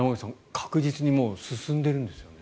確実に進んでいるんですよね。